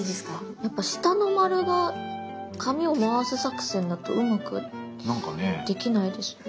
やっぱ下の丸が紙を回す作戦だとうまくできないです。